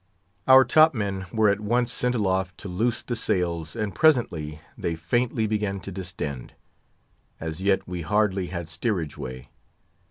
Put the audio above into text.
Our top men were at once sent aloft to loose the sails, and presently they faintly began to distend. As yet we hardly had steerage way.